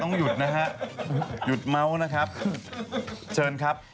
หยุดนะฮะหยุดเมาส์นะครับเชิญครับ